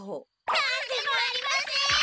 何でもありません！